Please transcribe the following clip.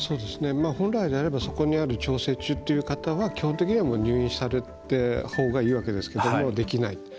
本来であればそこにある調整中という方は基本的には入院されたほうがいいわけですけどできない。